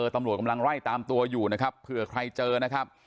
ตำรวจกำลังไล่ตามตัวอยู่นะครับเผื่อใครเจอนะครับ